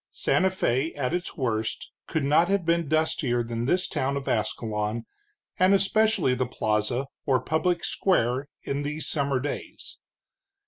Santa Fé, at its worst, could not have been dustier than this town of Ascalon, and especially the plaza, or public square, in these summer days.